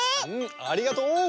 ありがとう！